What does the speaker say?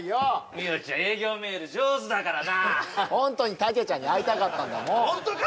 ミヨちゃん営業メール上手だからなホントにタケちゃんに会いたかったんだもんホントか？